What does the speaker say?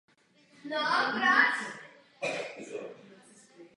Byl čestným občanem města Mělník.